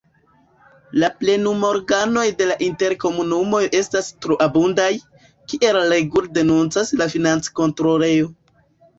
La plenumorganoj de la interkomunumoj estas troabundaj, kiel regule denuncas la financkontrolejo.